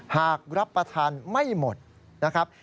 หากรับประทานไม่หมดนะครับ